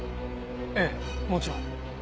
ええもちろん。